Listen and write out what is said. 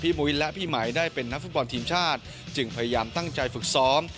มุ้ยและพี่ไหมได้เป็นนักฟุตบอลทีมชาติจึงพยายามตั้งใจฝึกซ้อม